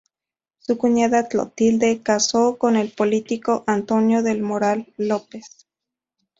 Su cuñada Clotilde casó con el político Antonio del Moral López.